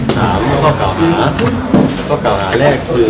ถามพวกเกาหาพวกเกาหาแรกคือ